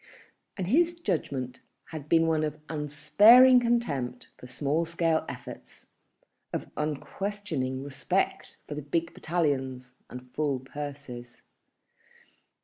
And his judgment had been one of unsparing contempt for small scale efforts, of unquestioning respect for the big battalions and full purses.